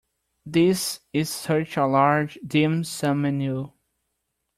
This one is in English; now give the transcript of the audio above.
This is such a large dim sum menu.